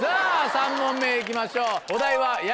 ３問目いきましょう。